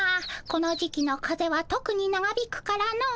この時期の風邪はとくに長引くからの」。